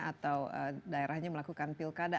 atau daerahnya melakukan pilkada